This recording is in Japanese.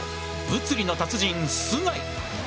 物理の達人須貝！